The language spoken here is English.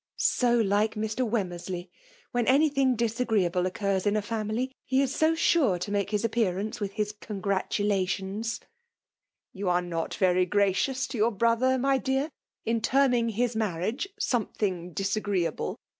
*'// So like Mr. Wemynersley ! When anytjiing disagreeable occurs in a family, he is so sure tQ.make bis appearance with his congratu lations T' ... '^You are not very gracious to your brother, my d^ar/in tprmiag his marriage. ' soipethiog disagreeable.'